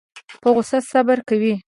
په غوسه صبر کوي.